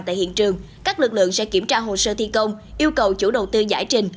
tại hiện trường các lực lượng sẽ kiểm tra hồ sơ thi công yêu cầu chủ đầu tư giải trình